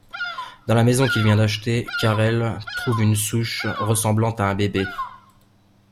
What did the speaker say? Dans la maison qu'il vient d'acheter, Karel trouve une souche ressemblant à un bébé.